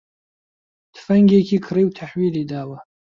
تفەنگێکی کڕی و تەحویلی داوە